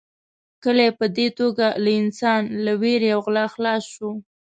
کلی په دې توګه له انسان له وېرې او غلا خلاص شو.